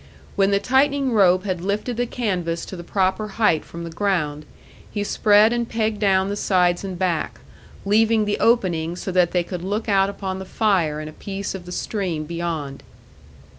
When the tightening rope had lifted the canvas to the proper height from the ground, he spread and pegged down the sides and back, leaving the opening so that they could look out upon the fire and a piece of the stream beyond.